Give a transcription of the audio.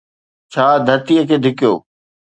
ڇا ڌرتيءَ کي ڌڪيو؟